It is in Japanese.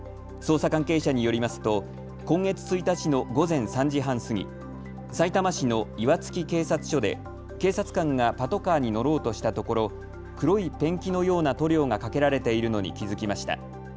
捜査関係者によりますと今月１日の午前３時半過ぎ、さいたま市の岩槻警察署で警察官がパトカーに乗ろうとしたところ、黒いペンキのような塗料がかけられているのに気付きました。